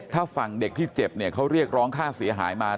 ถ้าฝั่งเด็กที่เจ็บเนี่ยเขาเรียกร้องค่าเสียหายมา